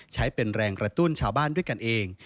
ใช้เป็นแรงกระตุ้นชาวบ้านด้วยกันเอง